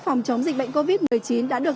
phòng chống dịch bệnh covid một mươi chín đã được